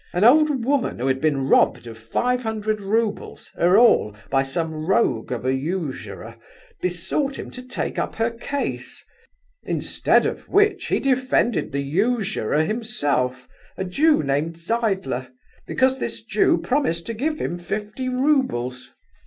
An old woman who had been robbed of five hundred roubles, her all, by some rogue of a usurer, besought him to take up her case, instead of which he defended the usurer himself, a Jew named Zeidler, because this Jew promised to give him fifty roubles...."